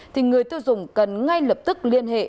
thì người tiêu dùng cần ngay lập tức liên hệ